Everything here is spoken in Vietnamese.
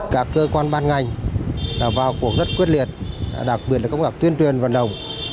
các cơ quan ban ngành vào cuộc rất quyết liệt đặc biệt là công đoạn tuyên truyền vận động